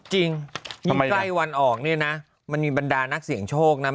จริงมันใกล้วันออกเนี่ยนะมันมีบรรดานักเสี่ยงโชคนะ